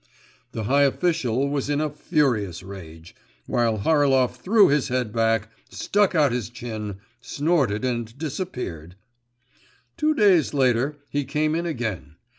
The high official was in a furious rage, while Harlov threw his head back, stuck out his chin, snorted and disappeared. Two days later, he came in again.